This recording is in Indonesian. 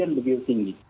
yang begitu tinggi